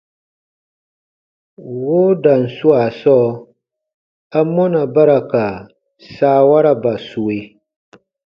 Woodan swaa sɔɔ, amɔna ba ra ka saawaraba sue?